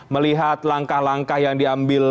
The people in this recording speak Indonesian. melihat langkah langkah yang diambil